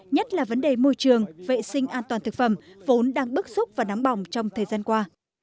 nhất là vấn đề môi trường vệ sinh an toàn thực phẩm vốn đang bức xúc và nóng bỏng trong thời gian qua